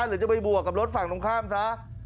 หรือจะไปบวกกับรถฝั่งตรงข้ามซะ